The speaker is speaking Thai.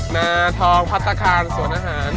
นาทองพัฒนาคารสวนอาหาร